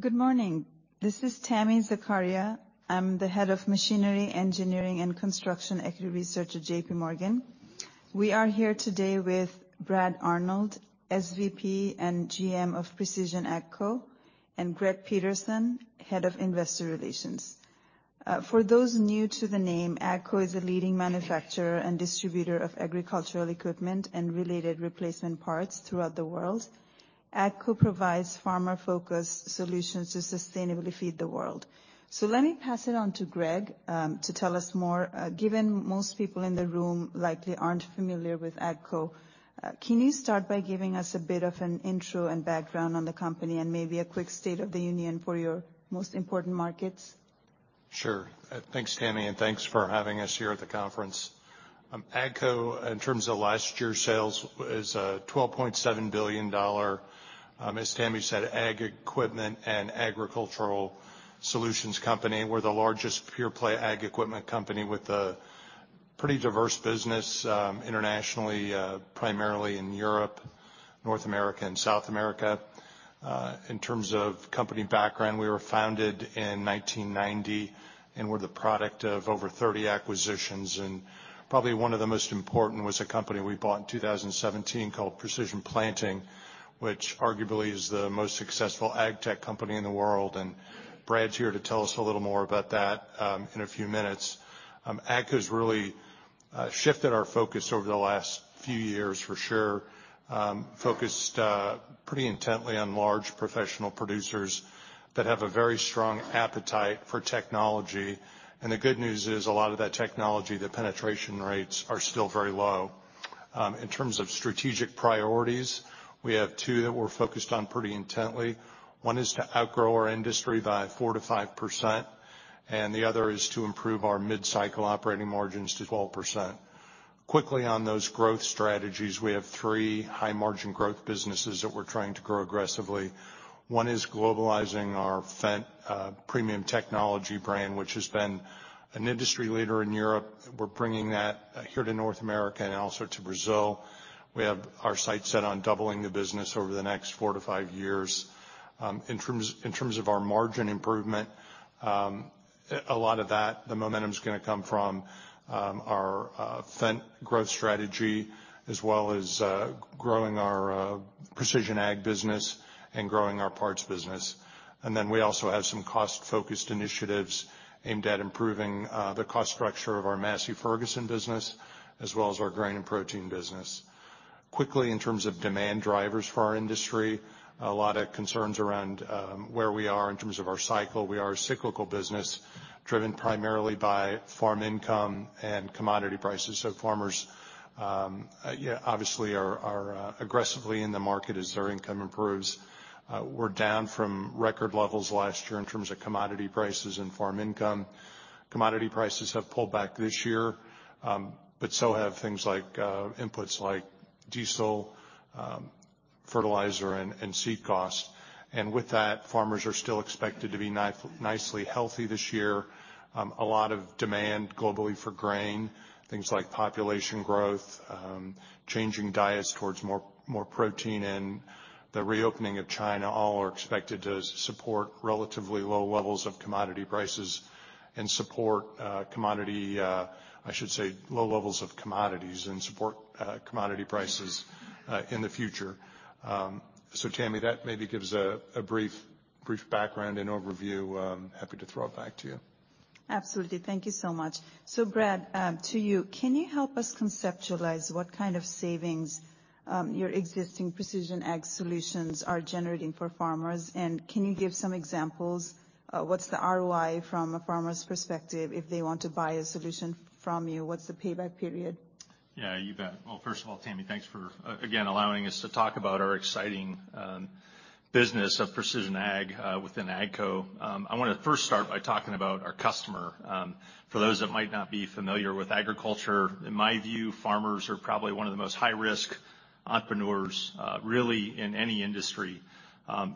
Good morning. This is Tami Zakaria. I'm the Head of Machinery, Engineering, and Construction Equity Research at J.P. Morgan. We are here today with Brad Arnold` SVP and GM of Precision AGCO, and Greg Peterson, Head of Investor Relations. For those new to the name, AGCO is a leading manufacturer and distributor of agricultural equipment and related replacement parts throughout the world. AGCO provides farmer-focused solutions to sustainably feed the world. Let me pass it on to Greg to tell us more. Given most people in the room likely aren't familiar with AGCO, can you start by giving us a bit of an intro and background on the company and maybe a quick state of the union for your most important markets? Sure. Thanks, Tami, thanks for having us here at the conference. AGCO, in terms of last year's sales, is a $12.7 billion, as Tami said, ag equipment and agricultural solutions company. We're the largest pure play ag equipment company with a pretty diverse business internationally, primarily in Europe, North America, and South America. In terms of company background, we were founded in 1990, we're the product of over 30 acquisitions. Probably one of the most important was a company we bought in 2017 called Precision Planting, which arguably is the most successful ag tech company in the world. Brad's here to tell us a little more about that in a few minutes. AGCO's really shifted our focus over the last few years, for sure. Focused pretty intently on large professional producers that have a very strong appetite for technology. The good news is a lot of that technology, the penetration rates are still very low. In terms of strategic priorities, we have two that we're focused on pretty intently. One is to outgrow our industry by 4%-5%, and the other is to improve our mid-cycle operating margins to 12%. Quickly on those growth strategies, we have three high-margin growth businesses that we're trying to grow aggressively. One is globalizing our Fendt premium technology brand, which has been an industry leader in Europe. We're bringing that here to North America and also to Brazil. We have our sights set on doubling the business over the next four to five years. In terms of our margin improvement, a lot of that, the momentum's gonna come from our Fendt growth strategy as well as growing our Precision Ag Business and growing our Parts Business. We also have some cost-focused initiatives aimed at improving the cost structure of our Massey Ferguson Business as well as our Grain & Protein Business. Quickly, in terms of demand drivers for our industry, a lot of concerns around where we are in terms of our cycle. We are a cyclical business driven primarily by farm income and commodity prices. Farmers, yeah, obviously are aggressively in the market as their income improves. We're down from record levels last year in terms of commodity prices and farm income. Commodity prices have pulled back this year, but so have things like inputs like diesel, fertilizer and seed costs. With that, farmers are still expected to be nicely healthy this year. A lot of demand globally for grain, things like population growth, changing diets towards more protein and the reopening of China all are expected to support relatively low levels of commodity prices and support I should say low levels of commodities and support commodity prices in the future. Tami, that maybe gives a brief background and overview. Happy to throw it back to you. Absolutely. Thank you so much. Brad, to you, can you help us conceptualize what kind of savings, your existing Precision Ag solutions are generating for farmers, and can you give some examples? What's the ROI from a farmer's perspective if they want to buy a solution from you? What's the payback period? Yeah, you bet. Well, first of all, Tami, thanks for again, allowing us to talk about our exciting business of Precision Ag within AGCO. I wanna first start by talking about our customer. For those that might not be familiar with agriculture, in my view, farmers are probably one of the most high-risk entrepreneurs, really in any industry.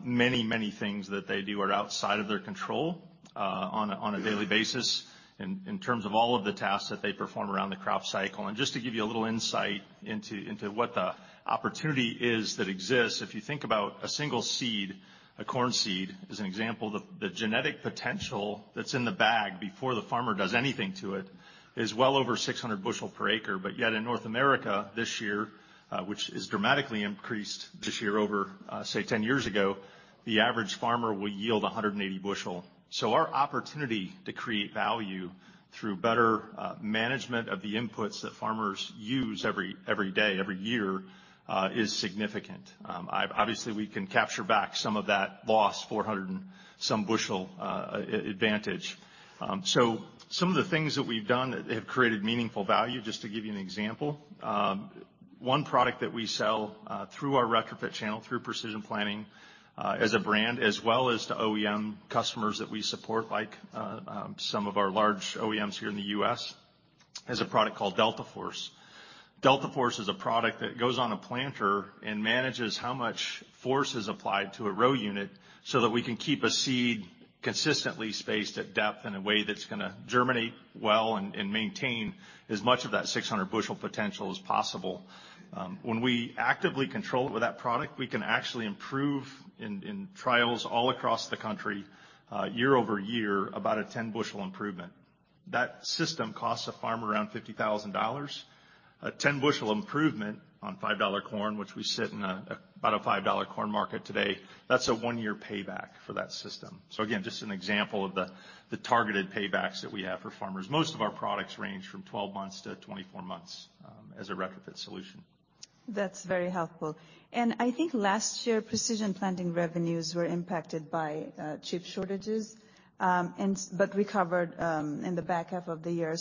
Many, many things that they do are outside of their control, on a daily basis in terms of all of the tasks that they perform around the crop cycle. Just to give you a little insight into what the opportunity is that exists, if you think about a single seed, a corn seed as an example, the genetic potential that's in the bag before the farmer does anything to it is well over 600 bushel per acre. Yet in North America this year, which has dramatically increased this year over, say, 10 years ago, the average farmer will yield 180 bushel. Our opportunity to create value through better management of the inputs that farmers use every day, every year, is significant. Obviously, we can capture back some of that lost 400 and some bushel advantage. Some of the things that we've done that have created meaningful value, just to give you an example, one product that we sell through our retrofit channel, through Precision Planting, as a brand, as well as to OEM customers that we support, some of our large OEMs here in the U.S., is a product called DeltaForce. DeltaForce is a product that goes on a planter and manages how much force is applied to a row unit so that we can keep a seed consistently spaced at depth in a way that's going to germinate well and maintain as much of that 600 bushel potential as possible. When we actively control it with that product, we can actually improve in trials all across the country, year-over-year, about a 10 bushel improvement. That system costs a farm around $50,000. A 10 bushel improvement on $5 corn, which we sit in about a $5 corn market today, that's a one-year payback for that system. Again, just an example of the targeted paybacks that we have for farmers. Most of our products range from 12 months to 24 months as a retrofit solution. That's very helpful. I think last year, Precision Planting revenues were impacted by chip shortages, but recovered in the back half of the year.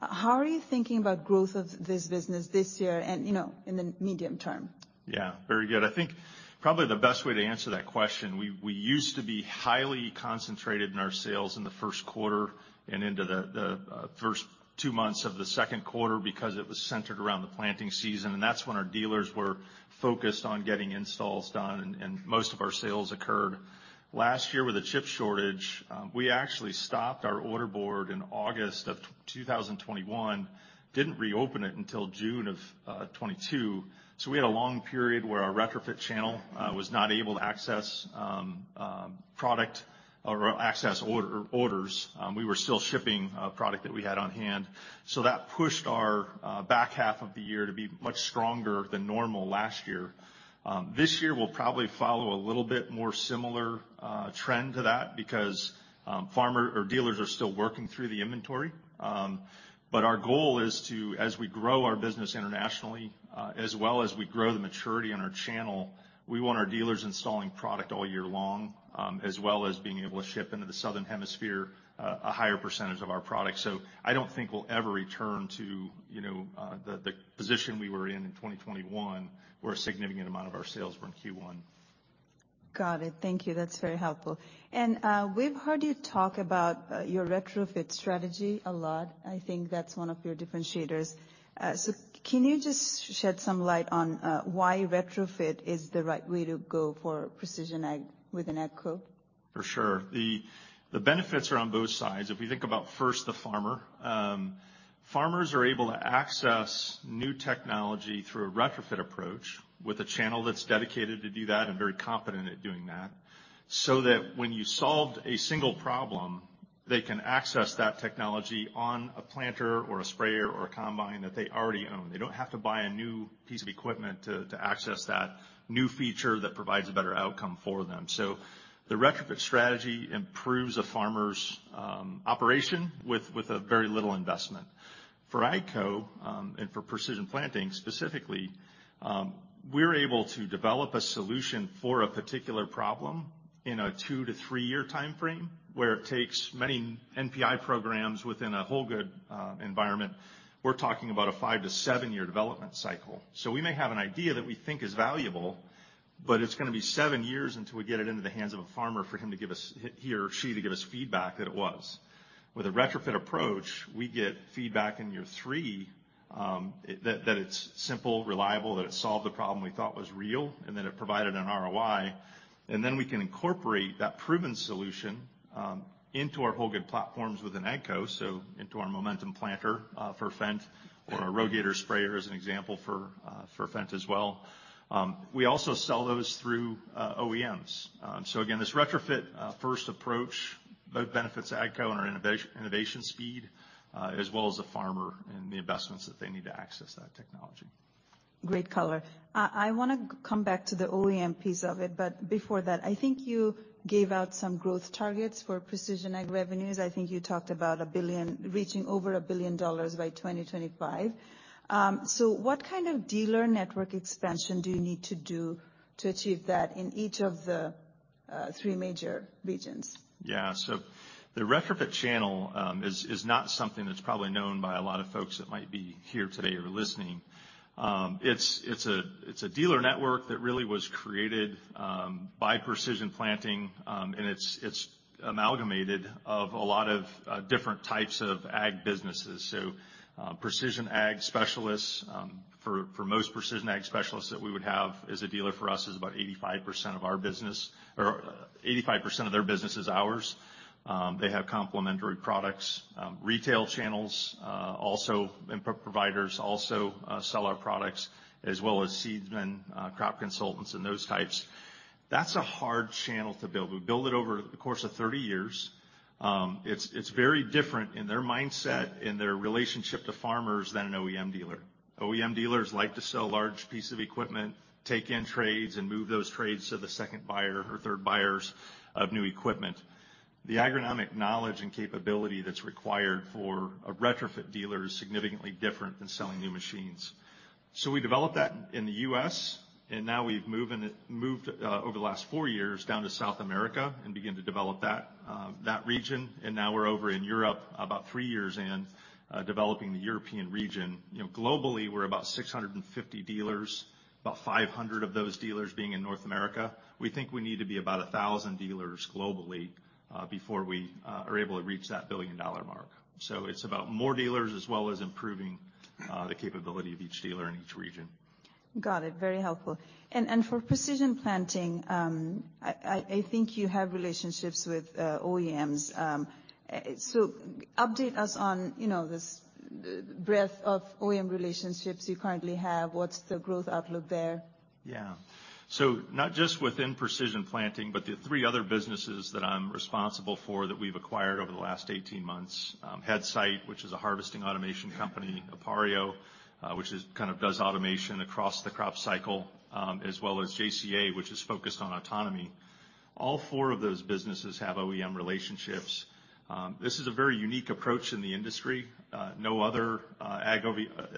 How are you thinking about growth of this business this year and, you know, in the medium term? Yeah. Very good. I think probably the best way to answer that question, we used to be highly concentrated in our sales in the first quarter and into the first two months of the second quarter because it was centered around the planting season, and that's when our dealers were focused on getting installs done and most of our sales occurred. Last year with the chip shortage, we actually stopped our order board in August of 2021, didn't reopen it until June of 2022. We had a long period where our retrofit channel was not able to access product or access orders. We were still shipping product that we had on hand. That pushed our back half of the year to be much stronger than normal last year. This year will probably follow a little bit more similar trend to that because farmer or dealers are still working through the inventory. Our goal is to, as we grow our business internationally, as well as we grow the maturity in our channel, we want our dealers installing product all year long, as well as being able to ship into the Southern Hemisphere a higher percentage of our product. I don't think we'll ever return to, you know, the position we were in 2021, where a significant amount of our sales were in Q1. Got it. Thank you. That's very helpful. We've heard you talk about, your retrofit strategy a lot. I think that's one of your differentiators. Can you just shed some light on, why retrofit is the right way to go for Precision Ag within AGCO? For sure. The benefits are on both sides. If we think about first the farmer, farmers are able to access new technology through a retrofit approach with a channel that's dedicated to do that and very competent at doing that, so that when you solved a single problem, they can access that technology on a planter or a sprayer or a combine that they already own. They don't have to buy a new piece of equipment to access that new feature that provides a better outcome for them. The retrofit strategy improves a farmer's operation with very little investment. For AGCO, and for Precision Planting specifically, we're able to develop a solution for a particular problem in a two to three-year timeframe, where it takes many NPI programs within a whole good environment. We're talking about a five to seven-year development cycle. We may have an idea that we think is valuable, but it's gonna be seven years until we get it into the hands of a farmer. He or she to give us feedback that it was. With a retrofit approach, we get feedback in year three, that it's simple, reliable, that it solved the problem we thought was real, and that it provided an ROI. We can incorporate that proven solution into our whole good platforms within AGCO, so into our Momentum planter for Fendt or our Rogator sprayer as an example for Fendt as well. We also sell those through OEMs. Again, this retrofit, first approach both benefits AGCO and our innovation speed, as well as the farmer and the investments that they need to access that technology. Great color. I wanna come back to the OEM piece of it. Before that, I think you gave out some growth targets for precision ag revenues. I think you talked about $1 billion. Reaching over $1 billion by 2025. What kind of dealer network expansion do you need to do to achieve that in each of the three major regions? Yeah. The retrofit channel is not something that's probably known by a lot of folks that might be here today or listening. It's a dealer network that really was created by Precision Planting, and it's amalgamated of a lot of different types of Ag businesses. Precision Ag specialists, for most Precision Ag specialists that we would have as a dealer for us is about 85% of our business or 85% of their business is ours. They have complementary products, retail channels, also input providers also, sell our products as well as seedsmen, crop consultants and those types. That's a hard channel to build. We built it over the course of 30 years. It's, it's very different in their mindset, in their relationship to farmers than an OEM dealer. OEM dealers like to sell large piece of equipment, take in trades, and move those trades to the second buyer or third buyers of new equipment. The agronomic knowledge and capability that's required for a retrofit dealer is significantly different than selling new machines. We developed that in the U.S., and now we've moved, and it moved over the last four years down to South America and began to develop that region. Now we're over in Europe, about three years in, developing the European region. You know, globally, we're about 650 dealers, about 500 of those dealers being in North America. We think we need to be about 1,000 dealers globally before we are able to reach that $1 billion mark. It's about more dealers as well as improving the capability of each dealer in each region. Got it. Very helpful. For Precision Planting, I think you have relationships with OEMs. Update us on, you know, the breadth of OEM relationships you currently have. What's the growth outlook there? Yeah. Not just within Precision Planting, but the three other businesses that I'm responsible for that we've acquired over the last 18 months, Headsight, which is a harvesting automation company. Appareo, which is kind of does automation across the crop cycle, as well as JCA, which is focused on autonomy. All four of those businesses have OEM relationships. This is a very unique approach in the industry. No other ag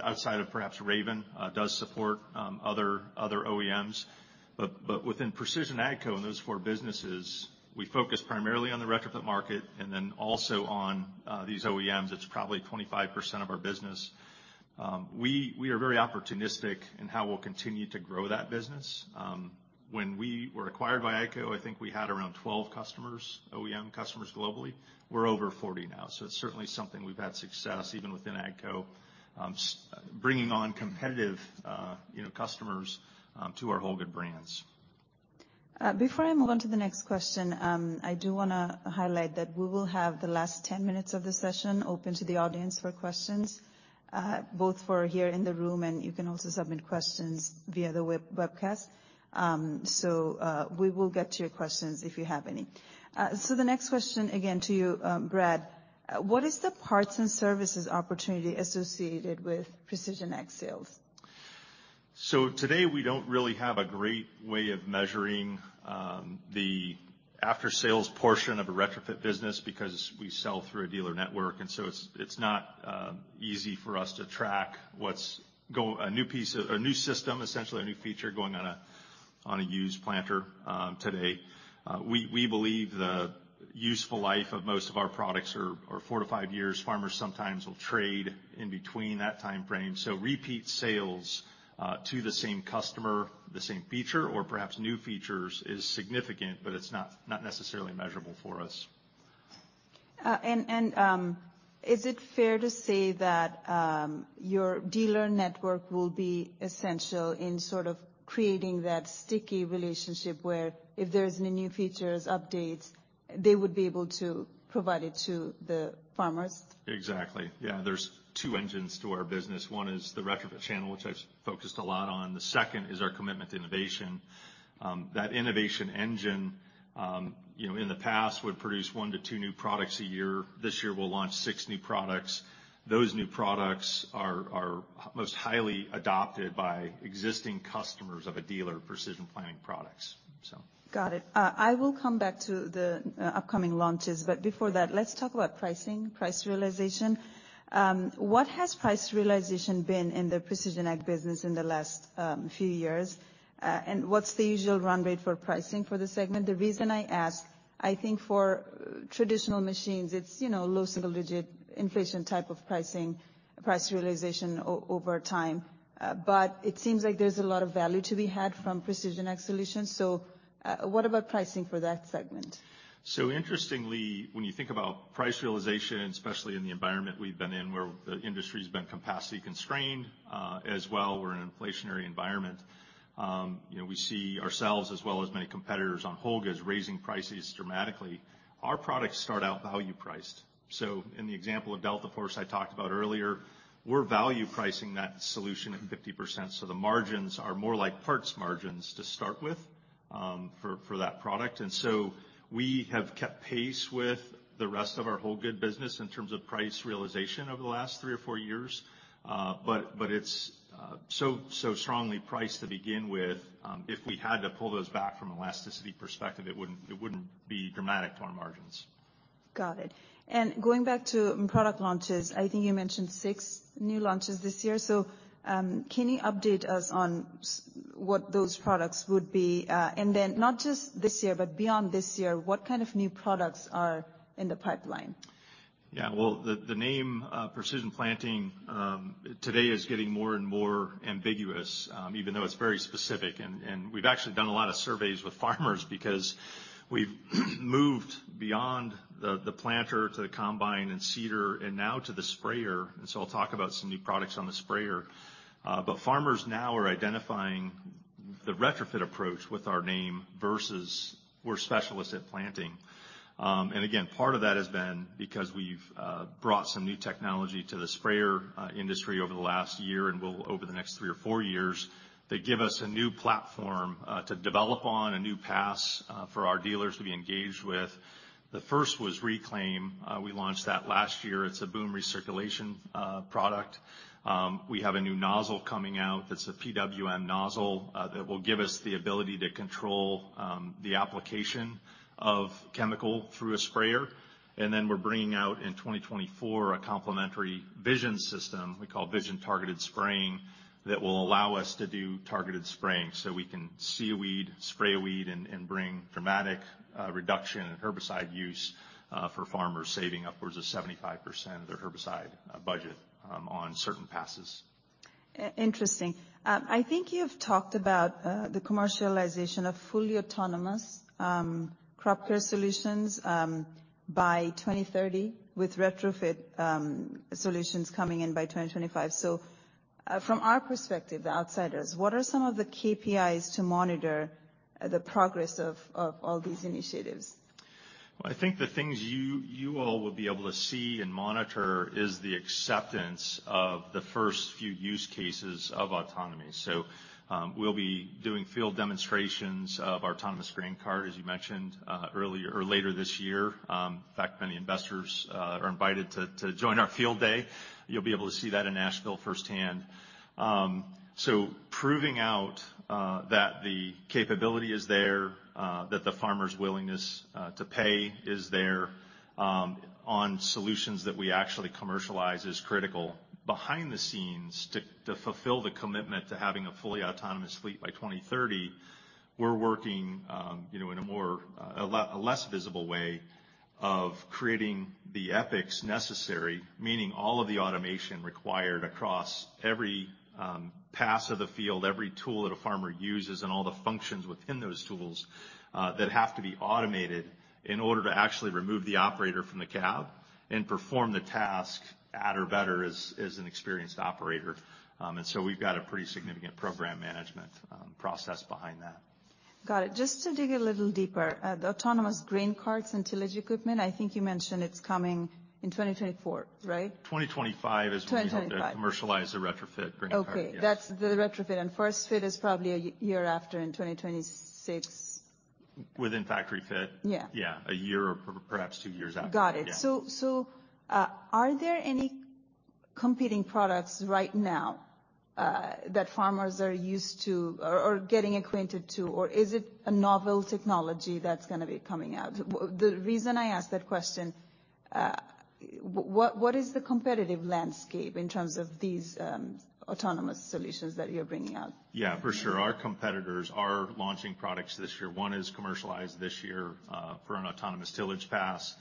outside of perhaps Raven, does support other OEMs. Within Precision AGCO and those four businesses, we focus primarily on the retrofit market and then also on these OEMs. It's probably 25% of our business. We are very opportunistic in how we'll continue to grow that business. When we were acquired by AGCO, I think we had around 12 customers, OEM customers globally. We're over 40 now. It's certainly something we've had success even within AGCO, bringing on competitive, you know, customers, to our Holger brands. Before I move on to the next question, I do wanna highlight that we will have the last 10 minutes of the session open to the audience for questions, both for here in the room, and you can also submit questions via the webcast. We will get to your questions if you have any. The next question again to you, Brad. What is the parts and services opportunity associated with Precision Ag sales? today, we don't really have a great way of measuring, the after-sales portion of a retrofit business because we sell through a dealer network, and so it's not easy for us to track a new piece of. A new system, essentially a new feature going on a, on a used planter today. We, we believe the useful life of most of our products are four to five years. Farmers sometimes will trade in between that timeframe. Repeat sales to the same customer, the same feature, or perhaps new features is significant, but it's not necessarily measurable for us. Is it fair to say that your dealer network will be essential in sort of creating that sticky relationship where if there's any new features, updates, they would be able to provide it to the farmers? Exactly. Yeah. There's two engines to our business. One is the retrofit channel, which I focused a lot on. The second is our commitment to innovation. That innovation engine, you know, in the past, would produce one to two new products a year. This year, we'll launch six new products. Those new products are most highly adopted by existing customers of a dealer Precision Planting products. Got it. I will come back to the upcoming launches, but before that, let's talk about pricing, price realization. What has price realization been in the Precision Ag business in the last few years? What's the usual run rate for pricing for this segment? The reason I ask, I think for traditional machines, it's, you know, low single digit inflation type of pricing, price realization over time. It seems like there's a lot of value to be had from Precision Ag Solutions. What about pricing for that segment? Interestingly, when you think about price realization, especially in the environment we've been in, where the industry's been capacity constrained, as well, we're in an inflationary environment, you know, we see ourselves as well as many competitors on GSI's raising prices dramatically. Our products start out value priced. In the example of DeltaForce I talked about earlier, we're value pricing that solution at 50%, so the margins are more like parts margins to start with, for that product. We have kept pace with the rest of our GSI business in terms of price realization over the last three or four years. It's so strongly priced to begin with. If we had to pull those back from elasticity perspective, it wouldn't be dramatic to our margins. Got it. Going back to product launches, I think you mentioned six new launches this year. Can you update us on what those products would be? Not just this year, but beyond this year, what kind of new products are in the pipeline? Yeah. Well, the name Precision Planting today is getting more and more ambiguous, even though it's very specific. We've actually done a lot of surveys with farmers because we've moved beyond the planter to the combine and seeder and now to the sprayer. So I'll talk about some new products on the sprayer. Farmers now are identifying the retrofit approach with our name versus we're specialists at planting. Again, part of that has been because we've brought some new technology to the sprayer industry over the last year and will over the next three or four years that give us a new platform to develop on, a new path for our dealers to be engaged with. The first was ReClaim. We launched that last year. It's a boom recirculation product. We have a new nozzle coming out that's a PWM nozzle that will give us the ability to control the application of chemical through a sprayer. We're bringing out in 2024 a complementary vision system we call Vision Targeted Spraying that will allow us to do targeted spraying. We can see a weed, spray a weed, and bring dramatic reduction in herbicide use for farmers, saving upwards of 75% of their herbicide budget on certain passes. Interesting. I think you've talked about the commercialization of fully autonomous crop care solutions by 2030 with retrofit solutions coming in by 2025. From our perspective, the outsiders, what are some of the KPIs to monitor the progress of all these initiatives? Well, I think the things you all will be able to see and monitor is the acceptance of the first few use cases of autonomy. We'll be doing field demonstrations of autonomous grain cart, as you mentioned, earlier or later this year. In fact, many investors are invited to join our field day. You'll be able to see that in Nashville firsthand. Proving out that the capability is there, that the farmer's willingness to pay is there, on solutions that we actually commercialize is critical. Behind the scenes, to fulfill the commitment to having a fully autonomous fleet by 2030, we're working, you know, in a more, a less visible way of creating the ethics necessary, meaning all of the automation required across every pass of the field, every tool that a farmer uses, and all the functions within those tools that have to be automated in order to actually remove the operator from the cab and perform the task at or better as an experienced operator. We've got a pretty significant program management process behind that. Got it. Just to dig a little deeper, the autonomous grain carts and tillage equipment, I think you mentioned it's coming in 2024, right? 2025 is when. 2025. We hope to commercialize the retrofit grain cart. Okay. That's the retrofit. First fit is probably a year after in 2026. Within factory fit? Yeah. Yeah. A year or perhaps two years after. Got it. Yeah. Are there any competing products right now that farmers are used to or getting acquainted to, or is it a novel technology that's gonna be coming out? The reason I ask that question, what is the competitive landscape in terms of these autonomous solutions that you're bringing out? Yeah, for sure. Our competitors are launching products this year. One is commercialized this year, for an autonomous tillage pass.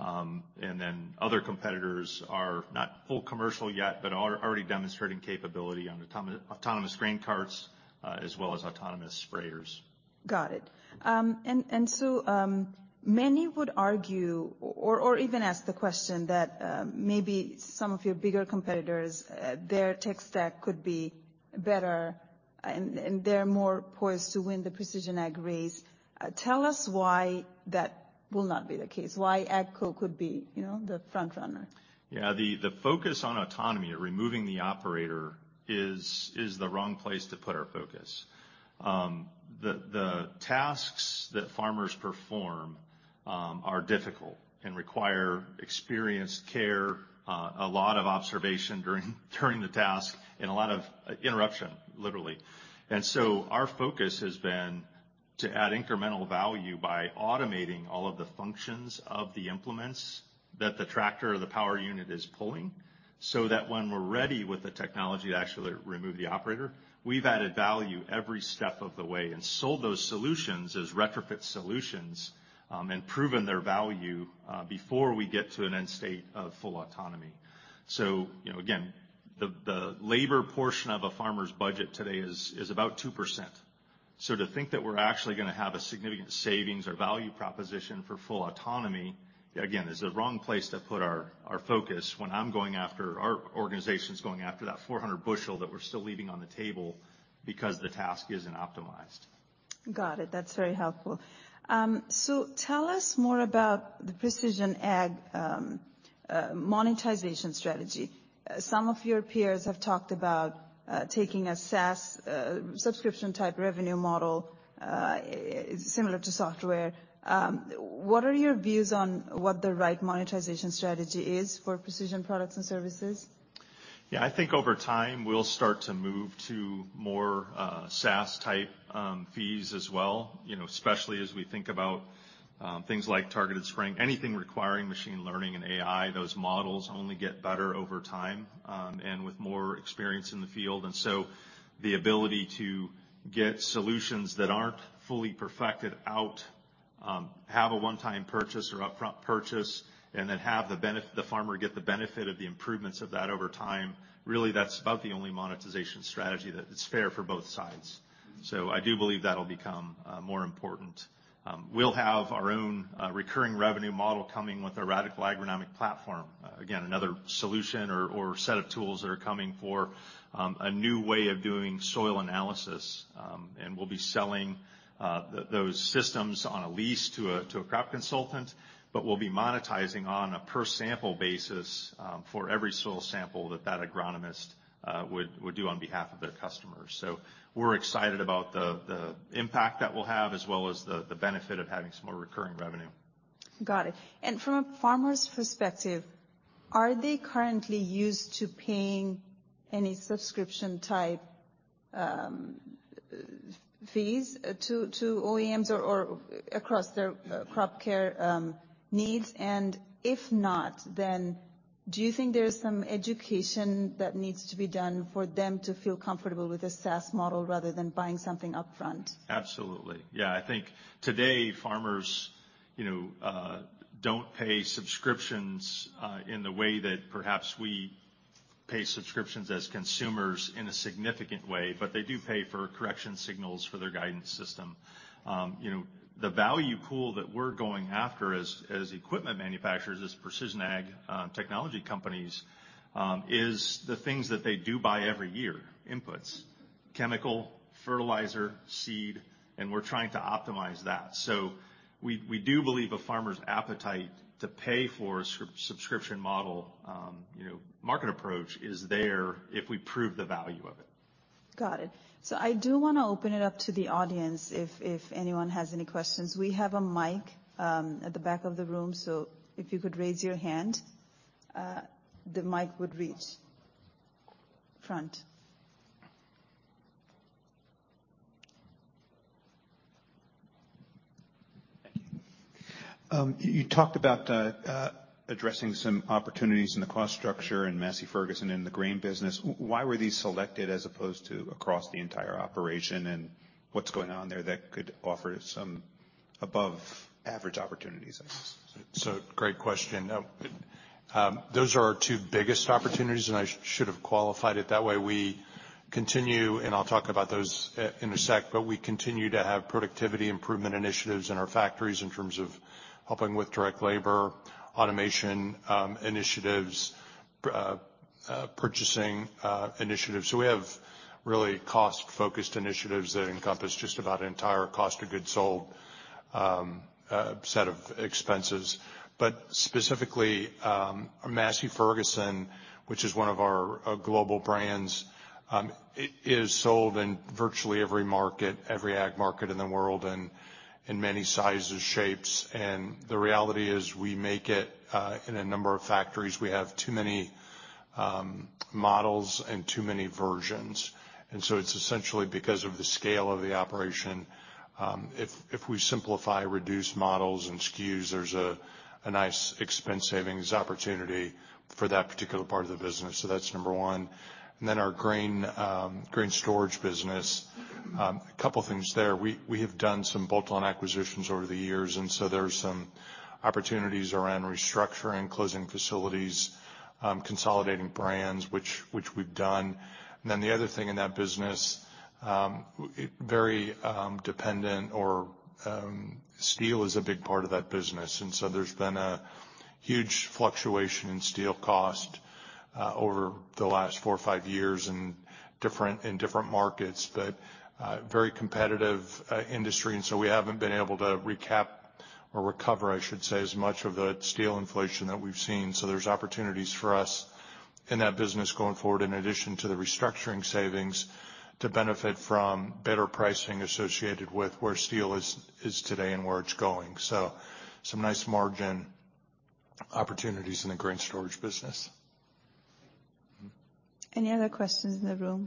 Other competitors are not full commercial yet, but are already demonstrating capability on autonomous grain carts, as well as autonomous sprayers. Got it. Many would argue or even ask the question that maybe some of your bigger competitors, their tech stack could be better, and they're more poised to win the precision ag race. Tell us why that will not be the case, why AGCO could be, you know, the front runner? Yeah. The focus on autonomy or removing the operator is the wrong place to put our focus. The tasks that farmers perform are difficult and require experience, care, a lot of observation during the task and a lot of interruption, literally. Our focus has been to add incremental value by automating all of the functions of the implements that the tractor or the power unit is pulling, so that when we're ready with the technology to actually remove the operator, we've added value every step of the way and sold those solutions as retrofit solutions and proven their value before we get to an end state of full autonomy. You know, again, the labor portion of a farmer's budget today is about 2%. To think that we're actually going to have a significant savings or value proposition for full autonomy, again, is the wrong place to put our focus when I'm going after, our organization's going after that 400 bushel that we're still leaving on the table because the task isn't optimized. Got it. That's very helpful. Tell us more about the Precision Ag monetization strategy. Some of your peers have talked about taking a SaaS subscription type revenue model similar to software. What are your views on what the right monetization strategy is for precision products and services? Yeah. I think over time, we'll start to move to more SaaS type fees as well, you know, especially as we think about things like targeted spraying. Anything requiring machine learning and AI, those models only get better over time, and with more experience in the field. The ability to get solutions that aren't fully perfected out, have a one-time purchase or upfront purchase, and then have the farmer get the benefit of the improvements of that over time, really that's about the only monetization strategy that is fair for both sides. I do believe that'll become more important. We'll have our own recurring revenue model coming with our Radical Agronomic Platform. Again, another solution or set of tools that are coming for a new way of doing soil analysis. We'll be selling those systems on a lease to a crop consultant, but we'll be monetizing on a per sample basis for every soil sample that that agronomist would do on behalf of their customers. We're excited about the impact that we'll have, as well as the benefit of having some more recurring revenue. Got it. From a farmer's perspective, are they currently used to paying any subscription type fees to OEMs or across their crop care needs? If not, then do you think there's some education that needs to be done for them to feel comfortable with a SaaS model rather than buying something upfront? Absolutely. Yeah. I think today farmers, you know, don't pay subscriptions in the way that perhaps we pay subscriptions as consumers in a significant way, but they do pay for correction signals for their guidance system. You know, the value pool that we're going after as equipment manufacturers is Precision AGCO technology companies, is the things that they do buy every year, inputs, chemical, fertilizer, seed, and we're trying to optimize that. We, we do believe a farmer's appetite to pay for a subscription model, you know, market approach is there if we prove the value of it. Got it. I do wanna open it up to the audience if anyone has any questions. We have a mic at the back of the room, so if you could raise your hand, the mic would reach. Front. Thank you. You talked about addressing some opportunities in the cost structure in Massey Ferguson in the grain business. Why were these selected as opposed to across the entire operation, and what's going on there that could offer some above-average opportunities? Great question. Those are our two biggest opportunities, and I should have qualified it that way. We continue, and I'll talk about those in a sec, we continue to have productivity improvement initiatives in our factories in terms of helping with direct labor, automation, purchasing initiatives. We have really cost-focused initiatives that encompass just about an entire cost of goods sold, set of expenses. Specifically, Massey Ferguson, which is one of our global brands, it is sold in virtually every market, every ag market in the world and in many sizes, shapes. The reality is we make it in a number of factories. We have too many models and too many versions. It's essentially because of the scale of the operation, if we simplify, reduce models and SKUs, there's a nice expense savings opportunity for that particular part of the business. That's number one. Our Grain Storage Business, a couple things there. We have done some bolt-on acquisitions over the years, and so there's some opportunities around restructuring, closing facilities, consolidating brands, which we've done. The other thing in that business, very, dependent or, steel is a big part of that business. There's been a huge fluctuation in steel cost, over the last four or five years in different markets, but, very competitive, industry. We haven't been able to recap or recover, I should say, as much of the steel inflation that we've seen. There's opportunities for us in that business going forward in addition to the restructuring savings to benefit from better pricing associated with where steel is today and where it's going. Some nice margin opportunities in the Grain Storage Business. Any other questions in the room?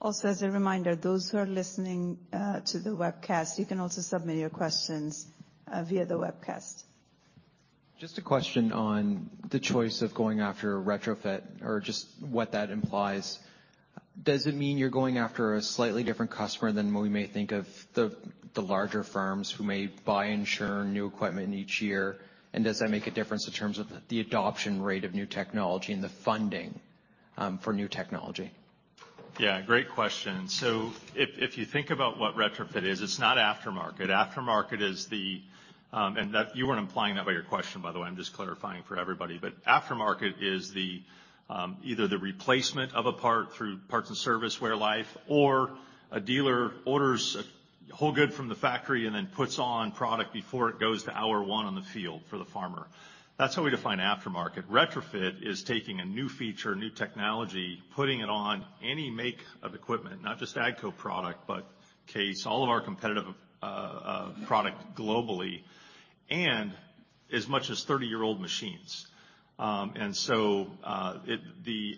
Also, as a reminder, those who are listening, to the webcast, you can also submit your questions, via the webcast. Just a question on the choice of going after a retrofit or just what that implies. Does it mean you're going after a slightly different customer than what we may think of the larger firms who may buy, insure new equipment each year? Does that make a difference in terms of the adoption rate of new technology and the funding for new technology? Yeah, great question. If you think about what retrofit is, it's not aftermarket. That you weren't implying that by your question, by the way, I'm just clarifying for everybody. Aftermarket is the, either the replacement of a part through parts and service wear life, or a dealer orders a whole good from the factory and then puts on product before it goes to hour one on the field for the farmer. That's how we define aftermarket. Retrofit is taking a new feature, new technology, putting it on any make of equipment, not just AGCO product, but Case, all of our competitive product globally, and as much as 30-year-old machines. The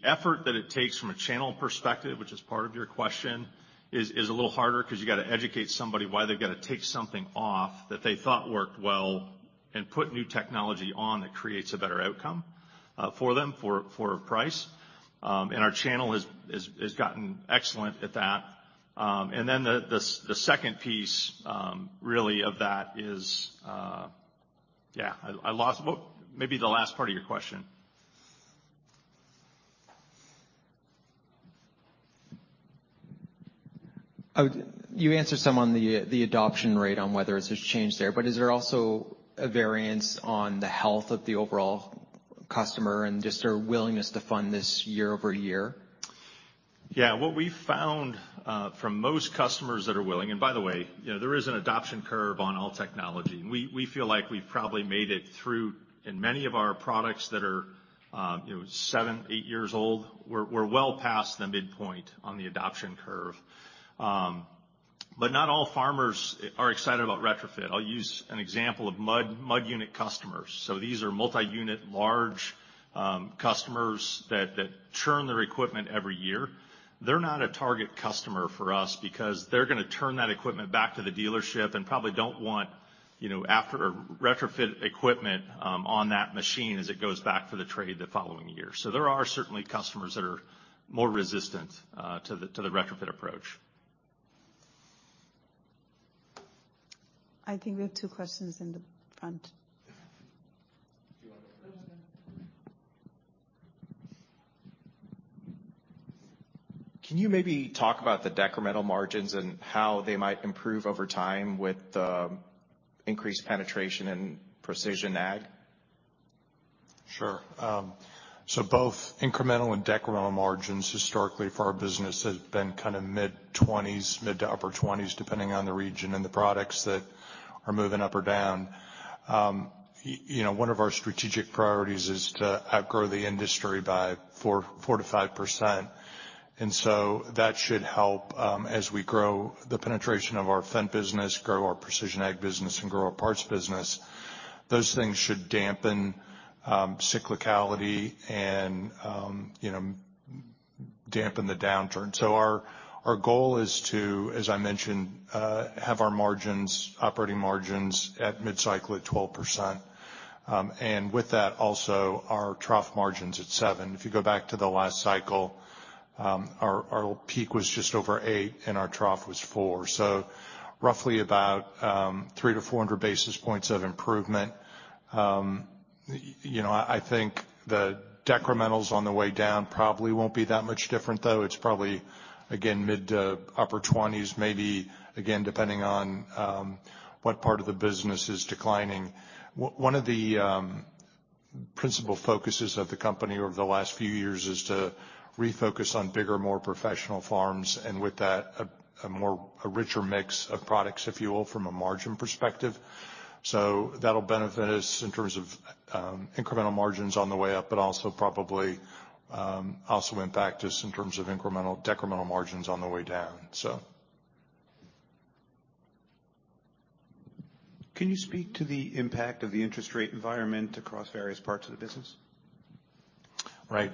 effort that it takes from a channel perspective, which is part of your question, is a little harder 'cause you gotta educate somebody why they've gotta take something off that they thought worked well and put new technology on that creates a better outcome for them for a price. Our channel has gotten excellent at that. The second piece really of that is, yeah, I lost what. Maybe the last part of your question. You answered some on the adoption rate on whether there's change there, but is there also a variance on the health of the overall customer and just their willingness to fund this year-over-year? Yeah. What we found from most customers that are willing, and by the way, you know, there is an adoption curve on all technology. We feel like we've probably made it through in many of our products that are, you know, seven, eight years old. We're well past the midpoint on the adoption curve. But not all farmers are excited about retrofit. I'll use an example of MUD unit customers. These are multi-unit large customers that churn their equipment every year. They're not a target customer for us because they're gonna turn that equipment back to the dealership and probably don't want, you know, after a retrofit equipment on that machine as it goes back for the trade the following year. There are certainly customers that are more resistant to the retrofit approach. I think we have two questions in the front. Can you maybe talk about the decremental margins and how they might improve over time with, increased penetration and Precision Ag? Sure. Both incremental and decremental margins historically for our business has been kind of mid-twenties, mid to upper twenties, depending on the region and the products that are moving up or down. You know, one of our strategic priorities is to outgrow the industry by 4%-5%. That should help as we grow the penetration of our Fendt business, grow our Precision Ag Business, and grow our Parts Business. Those things should dampen cyclicality and, you know, dampen the downturn. Our, our goal is to, as I mentioned, have our margins, operating margins at mid-cycle at 12%. And with that also our trough margins at 7%. If you go back to the last cycle, our peak was just over 8% and our trough was 4%, so roughly about 300 to 400 basis points of improvement. You know, I think the decrementals on the way down probably won't be that much different, though. It's probably, again, mid to upper 20s%, maybe, again, depending on what part of the business is declining. One of the principal focuses of the company over the last few years is to refocus on bigger, more professional farms, and with that a more. A richer mix of products, if you will, from a margin perspective. That'll benefit us in terms of incremental margins on the way up, but also probably also impact us in terms of decremental margins on the way down. Can you speak to the impact of the interest rate environment across various parts of the business? Right.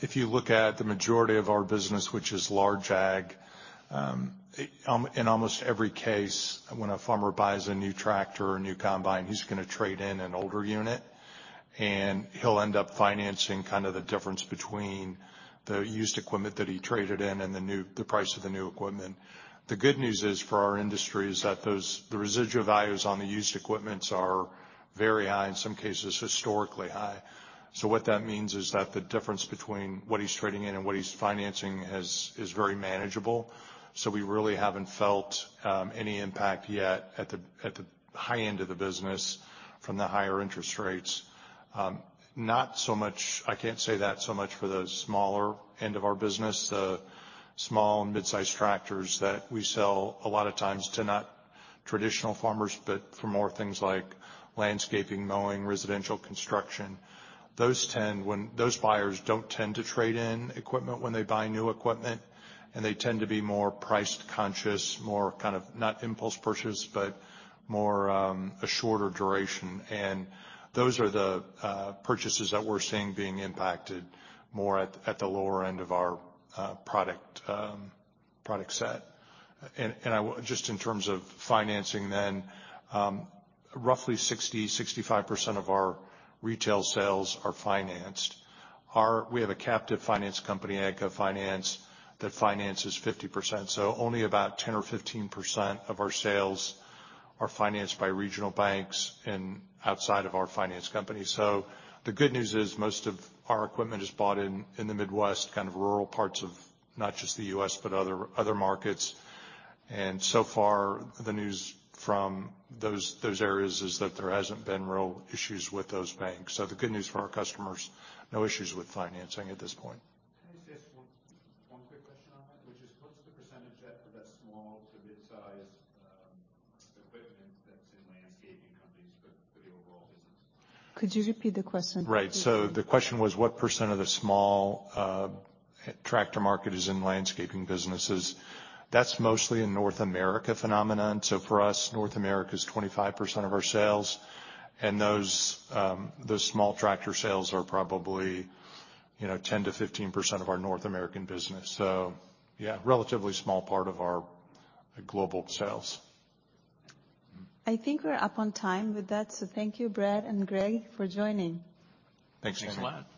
If you look at the majority of our business, which is large ag, in almost every case, when a farmer buys a new tractor or new combine, he's gonna trade in an older unit, and he'll end up financing kind of the difference between the used equipment that he traded in and the price of the new equipment. The good news is for our industry is that the residual values on the used equipment are very high, in some cases, historically high. What that means is that the difference between what he's trading in and what he's financing is very manageable. We really haven't felt any impact yet at the high end of the business from the higher interest rates. Not so much, I can't say that so much for the smaller end of our business. The small and mid-size tractors that we sell a lot of times to not traditional farmers, but for more things like landscaping, mowing, residential construction. Those buyers don't tend to trade in equipment when they buy new equipment. They tend to be more price-conscious, more kind of not impulse purchase, but more a shorter duration. Those are the purchases that we're seeing being impacted more at the lower end of our product product set. Just in terms of financing then, roughly 60-65% of our retail sales are financed. We have a captive finance company, AGCO Finance, that finances 50%. Only about 10% or 15% of our sales are financed by regional banks and outside of our finance company. The good news is most of our equipment is bought in the Midwest, kind of rural parts of not just the U.S., but other markets. So far, the news from those areas is that there hasn't been real issues with those banks. The good news for our customers, no issues with financing at this point. Can I just ask one quick question on that, which is, what's the percent that, for that small to mid-size equipment that's in landscaping companies for the overall business? Could you repeat the question? Right. The question was, what percent of the small tractor market is in landscaping businesses? That's mostly a North America phenomenon. For us, North America is 25% of our sales. Those, the small tractor sales are probably, you know, 10%-15% of our North American business. Yeah, relatively small part of our global sales. I think we're up on time with that. Thank you, Brad and Greg, for joining. Thanks. Thanks a lot.